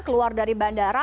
keluar dari bandara